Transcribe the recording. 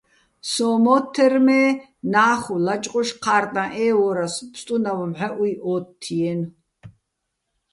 სოჼ მოთთერ, მე ნა́ხვ ლაჭყუშ ჴა́რტაჼ ე́ვვორასო̆ ბსტუნავ მჵაჸუჲ ო́თთთჲიენო̆.